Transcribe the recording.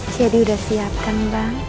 cedi udah siap kan bang